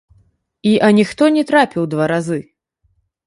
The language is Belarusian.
І аніхто не трапіў два разы.